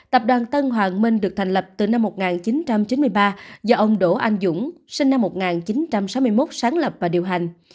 tập đoàn tân hoàng minh được thành lập từ năm một nghìn chín trăm chín mươi ba do ông đỗ anh dũng sinh năm một nghìn chín trăm sáu mươi một sáng lập và điều hành